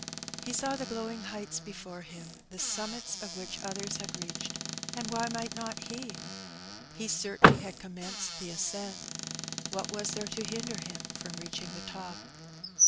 He saw the glowing heights before him^ the summits of which others had reached^ and why might not he? He cer tainly had commenced the ascent : what was there to hinder him from reaching the top?